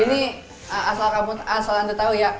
ini asal kamu asal anda tahu ya